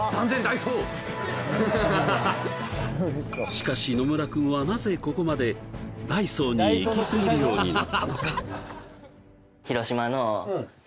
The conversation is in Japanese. しかし野村君はなぜここまでダイソーにイキスギるようになったのか？